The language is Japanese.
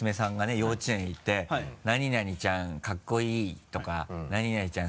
幼稚園に行って「何々ちゃんかっこいい」とか「何々ちゃん